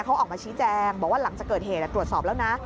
เขาออกมาชี้แจงบอกว่าหลังจากเกิดเหตุตรวจสอบแล้วนะ